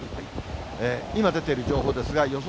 今、出ている情報ですが、予想